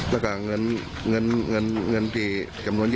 เนี่ยเนี้ยเนี้ยเนี้ยเนี้ยเนคร